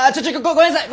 ごめんなさい！